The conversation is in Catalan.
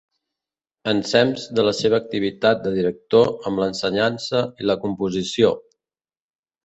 Ensems de la seva activitat de director amb l'ensenyança i la composició.